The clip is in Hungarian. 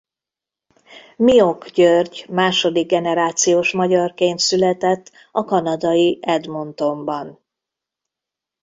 Miok György második generációs magyarként született a kanadai Edmontonban.